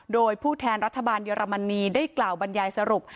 โดยผู้แทนรัฐบาลเยอรมนีได้กล่าวบรรยายสรุป